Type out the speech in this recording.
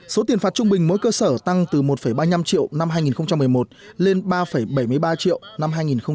số tiền phạt trung bình mỗi cơ sở tăng từ một ba mươi năm triệu năm hai nghìn một mươi một lên ba bảy mươi ba triệu năm hai nghìn một mươi